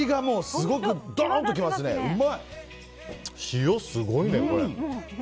塩すごいね、これ。